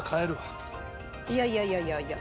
いやいやいやいやいや。